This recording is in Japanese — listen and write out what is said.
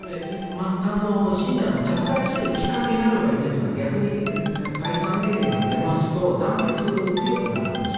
末端の信者の脱会するきっかけになればいいんですが逆に解散命令が出ますと団結が強くなるんですよ。